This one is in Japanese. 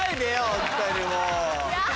ホントにもう。